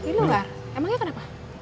di luar emangnya kenapa